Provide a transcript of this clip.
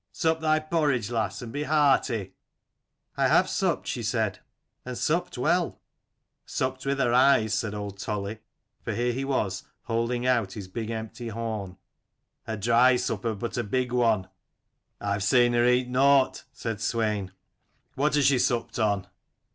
Sup thy porridge, lass, and be hearty." " I have supped," she said, " and supped well." " Supped with her eyes," said old Toli, for here he was, holding out his empty horn, " A dry supper, but a big one." 16 " I've seen her eat nought," said Swein. "What has she supped on?"